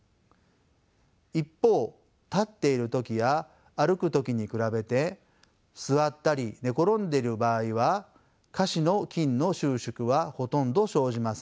一方立っている時や歩く時に比べて座ったり寝転んでいる場合は下肢の筋の収縮はほとんど生じません。